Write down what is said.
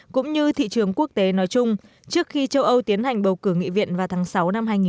cũng như thị trường quốc tế nói chung trước khi châu âu tiến hành bầu cử nghị viện vào tháng sáu năm hai nghìn hai mươi